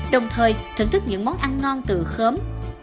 đồng thời thưởng thức những món ăn ngon từ khớm